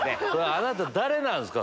あなた誰なんすか？